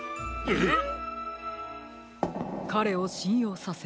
えっ！